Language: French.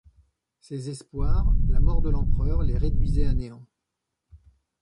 Ces espoirs, la mort de l'Empereur les réduisait à néant.